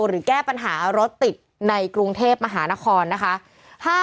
หรือแก้ปัญหารถติดในกรุงเทพมหานครนะคะ